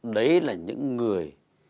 đấy là những người